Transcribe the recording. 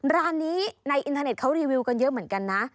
ร้านนี้ในอินเทอร์เน็ตเขารีวิวกันเยอะเหมือนกันนะ